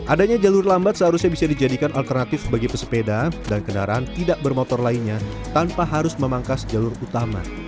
adanya jalur lambat seharusnya bisa dijadikan alternatif bagi pesepeda dan kendaraan tidak bermotor lainnya tanpa harus memangkas jalur utama